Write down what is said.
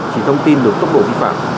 chỉ thông tin được tốc độ vi phạm